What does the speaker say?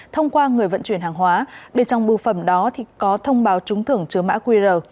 thông qua người vận chuyển hàng hóa bên trong bưu phẩm đó có thông báo trúng thưởng chứa mã qr